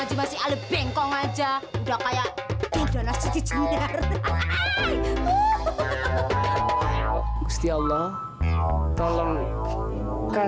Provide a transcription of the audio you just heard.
sampai jumpa di video selanjutnya